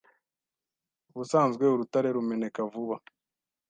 ubusanzwe urutare rumeneka vuba